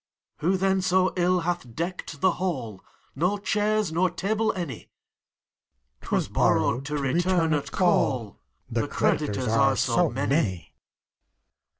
Who then so ill hath decked the hall ? No chairs, nor table any! LEMURES. Chorus, j 'T was borrowed to return at call : The creditors are so many.